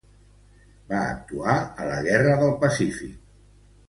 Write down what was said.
Va actuar a la Guerra del Pacífic.